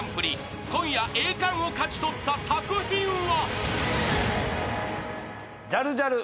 ［今夜栄冠を勝ち取った作品は］ジャルジャル。